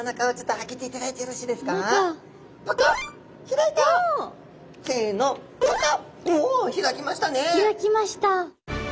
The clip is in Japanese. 開きました。